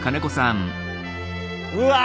うわ！